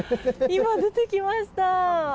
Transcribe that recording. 今、出てきました。